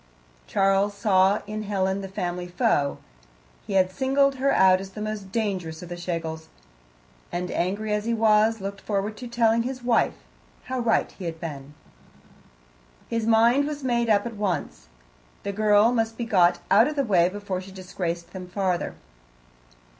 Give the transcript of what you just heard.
Charles saw in Helen the family foe. He had singled her out as the most dangerous of the Schlegels, and, angry as he was, looked forward to telling his wife how right he had been. His mind was made up at once: the girl must be got out of the way before she disgraced them farther.